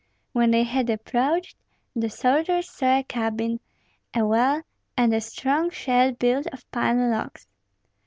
When they had approached, the soldiers saw a cabin, a well, and a strong shed built of pine logs.